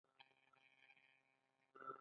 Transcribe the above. خو زه بیا هم پر فرماسون عقیده نه لرم.